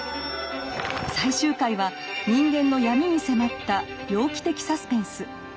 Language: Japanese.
最終回は人間の闇に迫った「猟奇的サスペンス」。